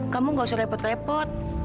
kamu gak usah repot repot